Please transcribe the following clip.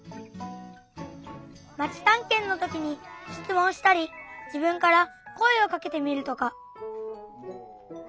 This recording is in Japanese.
まちたんけんのときにしつもんしたり自分から声をかけてみるとか。